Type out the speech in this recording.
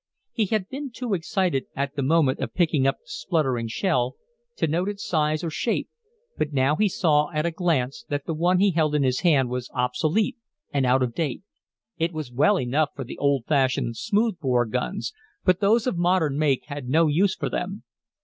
He had been too excited at the moment of picking up the spluttering shell to note its shape or size, but now he saw at a glance that the one he held in his hand was obsolete and out of date. It was well enough for the old fashioned smooth bore guns, but those of modern make had no use for them.